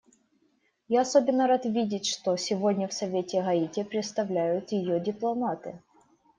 Я особенно рад видеть, что сегодня в Совете Гаити представляют ее дипломаты.